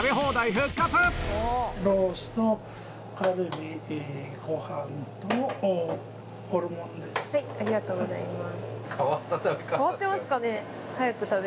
では当時はいありがとうございます。